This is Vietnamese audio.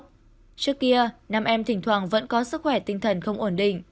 trước kia năm em thỉnh thoảng vẫn có sức khỏe tinh thần không ổn định